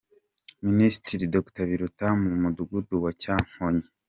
Minisitiri Dr Biruta mu mudugudu wa Cyankongi.